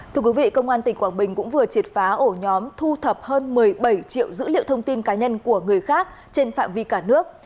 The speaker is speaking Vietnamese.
thưa quý vị công an tỉnh quảng bình cũng vừa triệt phá ổ nhóm thu thập hơn một mươi bảy triệu dữ liệu thông tin cá nhân của người khác trên phạm vi cả nước